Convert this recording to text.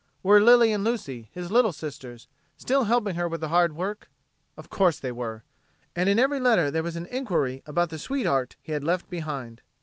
Were Lilly and Lucy, his little sisters, still helping her with the hard work of course they were! And in every letter there was an inquiry about the sweetheart he had left behind.